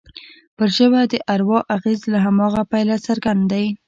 پر ژبه د اروا اغېز له هماغه پیله څرګند دی